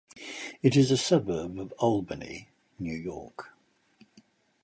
It is a suburb of Albany, New York.